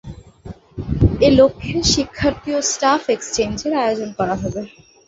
এ লক্ষ্যে শিক্ষার্থী ও স্টাফ এক্সচেঞ্জের আয়োজন করা হবে।